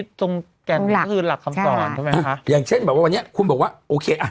ส่วนหลักส่วนหลักคำสรรค่ะนะคะอย่างเช่นแบบว่าวันนี้คุณบอกว่าโอเคอ่ะ